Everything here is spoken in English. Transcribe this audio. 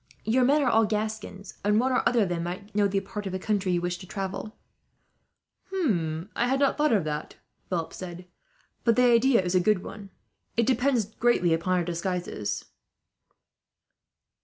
Your men are all Gascons, and one or other of them might know the part of the country you wish to travel." "I had not thought of it," Philip said; "but the idea is a good one. It would depend greatly upon our disguises."